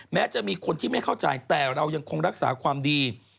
แม้จะมีคนที่ไม่เข้าใจแต่เรายังคงรักษาความดี